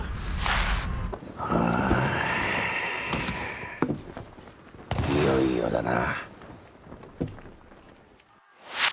おいよいよだな。